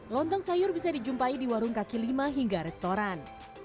lontong sayur bisa dijumpai di warung kaki lima hingga restoran